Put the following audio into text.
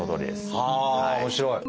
はあ面白い！